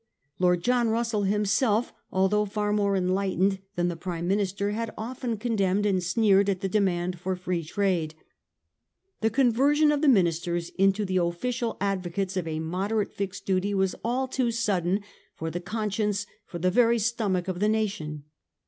Lord John Russell himself, although far more enlightened than the Prime Minister, had often condemned and sneered at the demand for Free Trade. The conversion of the ministers into the official advocates of a moderate fixed duty was all too sudden for the conscience, for the very stomach of the nation.